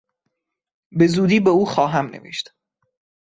به زودی به او خواهم نوشت.